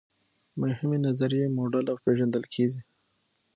مهمې نظریې موډل او پیژندل کیږي.